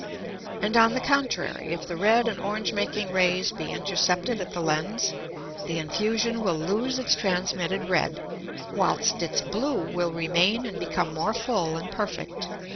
And, on the contrary, if the red and orange making Rays be intercepted at the Lens, the Infusion will lose its transmitted red, whilst its blue will remain and become more full and perfect.